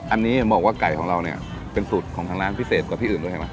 อันนี้บอกว่าไก่ของเราเนี่ยเป็นสูตรของทางร้านพิเศษกว่าที่อื่นด้วยเห็นไหม